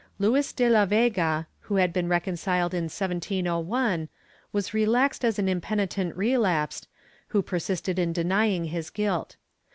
Luis de la Vega, who had been recon ciled in 1701, was relaxed as an impenitent relapsed, who persisted in denying his guilt.